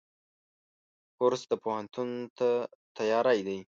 کورس د پوهنتون ته تیاری دی.